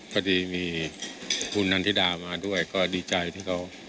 พอดีมีคุณนันทิดามาด้วยก็ดีใจที่เขา